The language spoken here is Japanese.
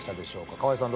河井さん